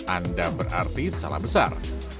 anda berarti salah besar